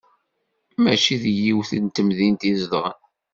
Mačči deg yiwet n temdint i zedɣen.